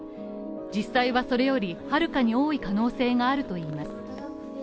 実際はそれより、はるかに多い可能性があるといいます。